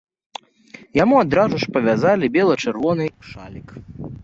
Яму адразу ж павязалі бела-чырвоны шалік.